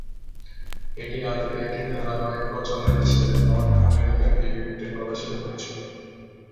এটি আদিতে একটি ধারাবাহিক রচনা হিসেবে "নর্থ অ্যামেরিকান রিভিউ"-তে প্রকাশিত হয়েছিল।